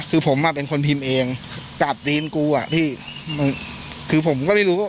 คือผมอ่ะเป็นคนพิมพ์เองกลับตีนกูอ่ะพี่คือผมก็ไม่รู้ว่า